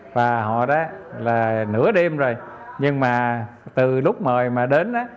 và họ đó là nửa đêm rồi nhưng mà từ lúc mời mà đến á